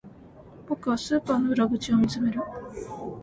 僕はスーパーの裏口を見つめる